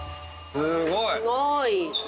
すごい。